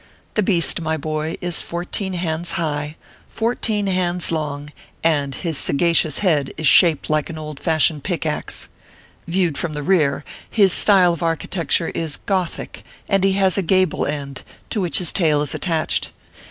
The beast, my boy, is fourteen hands high, fourteen hands long, and his sagacious head is shaped like an old fashioned pick axe. Viewed from the rear, his style of architecture is gothic, and he has a gable end, to ORPHEUS C. KEKU PAPERS. Ill which his tail is attached.